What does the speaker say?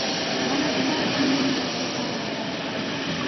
Але гына извинений нерген ойлышда.